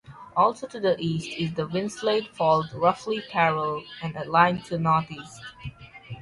Also to the east is the Winslade Fault roughly parallel and aligned north east.